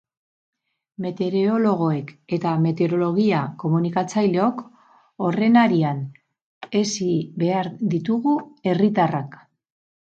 Meteorologoek eta meteorologia-komunikatzaileok horren harian hezi behar ditugu herritarrak.